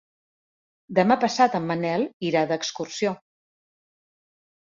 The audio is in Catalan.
Demà passat en Manel irà d'excursió.